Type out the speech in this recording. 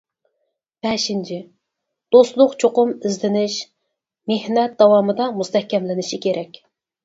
بەشىنچى، دوستلۇق چوقۇم ئىزدىنىش، مېھنەت داۋامىدا مۇستەھكەملىنىشى كېرەك.